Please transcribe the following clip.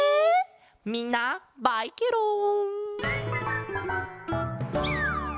みんなバイケロン！